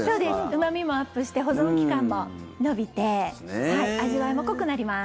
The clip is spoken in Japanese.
うま味もアップして保存期間も延びて味わいも濃くなります。